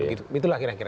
ya betul itulah kira kira